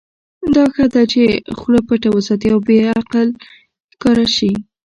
دا ښه ده چې خوله پټه وساتې او بې عقل ښکاره شې.